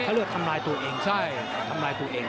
เขาเลือกทำลายตัวเอง